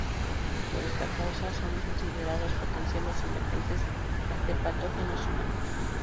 Por esta causa son considerados potenciales emergentes de patógenos humanos.